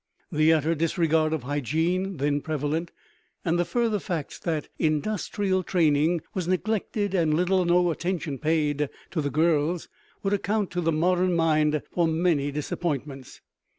The utter disregard of hygiene then prevalent, and the further facts that industrial training was neglected and little or no attention paid to the girls, would account to the modern mind for many disappointments.